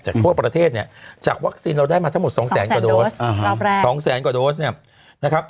ทั่วประเทศเนี่ยจากวัคซีนเราได้มาทั้งหมด๒แสนกว่าโดส๒แสนกว่าโดสเนี่ยนะครับ